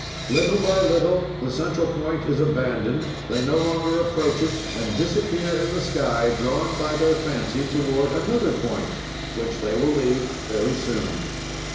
"Little by little the central point is abandoned, they no longer approach it, and disappear in the sky, drawn by their fancy toward another point which they will leave very soon.